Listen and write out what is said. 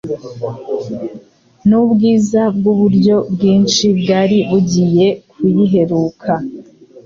n'ubwiza bw'uburyo bwinshi bwari bugiye kuyiheruka'°."